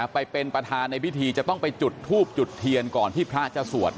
ไปเป็นประธานในพิธีจะต้องไปจุดทูบจุดเทียนก่อนที่พระจะสวด